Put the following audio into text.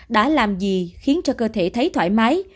đã làm gì khiến cho cơ thể thấy thoải mái